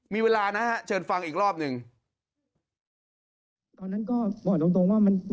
มีเวลานะฮะเชิญฟังอีกรอบหนึ่ง